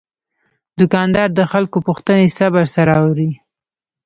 دوکاندار د خلکو پوښتنې صبر سره اوري.